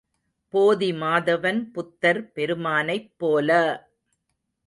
போதிமாதவன் புத்தர் பெருமானைப் போல!